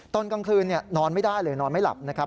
ตอนกลางคืนนอนไม่ได้เลยนอนไม่หลับนะครับ